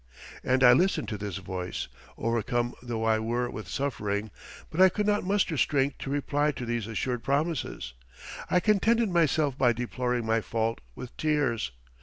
And I listened to this voice, overcome though I were with suffering; but I could not muster strength to reply to these assured promises; I contented myself by deploring my fault with tears.